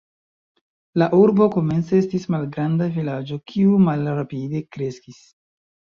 La urbo komence estis malgranda vilaĝo kiu malrapide kreskis.